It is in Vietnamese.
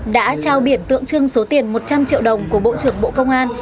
đã trao biển tượng trưng số tiền một trăm linh triệu đồng của bộ trưởng bộ công an